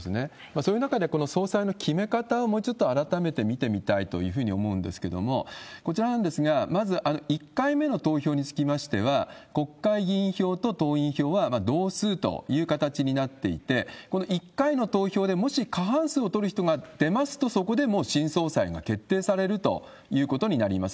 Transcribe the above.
そういう中で、この総裁の決め方をもうちょっと改めて見てみたいというふうに思うんですけれども、こちらなんですが、まず１回目の投票につきましては、国会議員票と党員票は同数という形になっていて、この１回の投票で、もし過半数を取る人が出ますと、そこでもう新総裁が決定されるということになります。